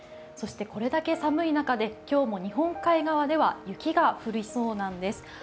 そしてこれだけ寒い中で今日も日本海側では雪が降りそうなんです。